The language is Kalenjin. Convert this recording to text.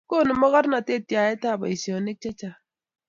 konu mokornatet yaetab boisionik che chang'